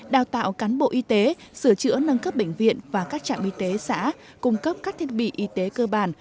đào tạo cán bộ y tế sửa chữa nâng cấp bệnh viện và các trạm y tế xã cung cấp các thiết bị y tế cơ bản